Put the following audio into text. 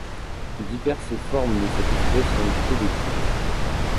Diverse formes de cette espèce ont été décrites.